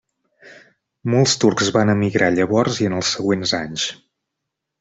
Molts turcs van emigrar llavors i en els següents anys.